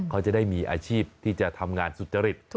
เขาจะได้มีอาชีพที่จะทำงานสุจริต